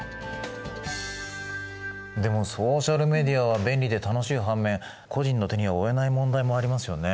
でもソーシャルメディアは便利で楽しい反面個人の手には負えない問題もありますよね。